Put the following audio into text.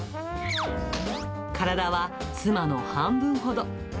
体は妻の半分ほど。